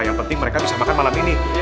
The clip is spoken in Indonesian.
yang penting mereka bisa makan malam ini